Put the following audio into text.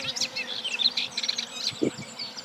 作品列表